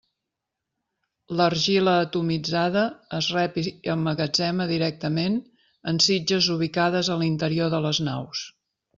L'argila atomitzada es rep i emmagatzema directament en sitges ubicades a l'interior de les naus.